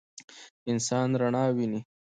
انسان رڼا ویني.